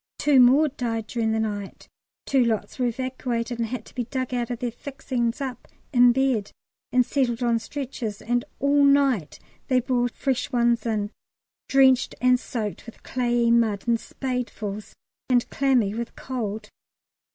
Two more died during the night, two lots were evacuated, and had to be dug out of their fixings up in bed and settled on stretchers, and all night they brought fresh ones in, drenched and soaked with clayey mud in spadefuls, and clammy with cold.